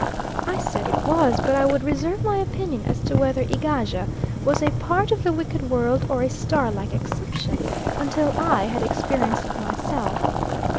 I said it was; but I would reserve my opinion as to whether Egaja was a part of the wicked world or a star like exception, until I had experienced it myself.